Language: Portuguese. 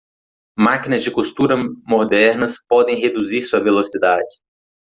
Máquinas de costura modernas podem reduzir sua velocidade.